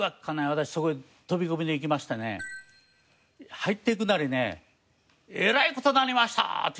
私そこへ飛び込みで行きましてね入っていくなりね「えらい事になりました！」って言ったんですよ。